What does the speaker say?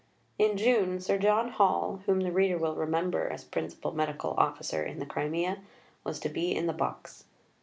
In June, Sir John Hall, whom the reader will remember as Principal Medical Officer in the Crimea, was to be in the box.